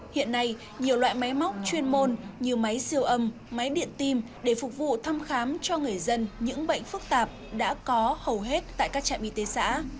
hiện nay nhiều loại máy móc chuyên môn như máy siêu âm máy điện tim để phục vụ thăm khám cho người dân những bệnh phức tạp đã có hầu hết tại các trạm y tế xã